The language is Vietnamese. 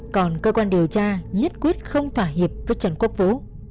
còn cơ quan điều tra nhất quyết không thỏa hiệp với trần quốc vũ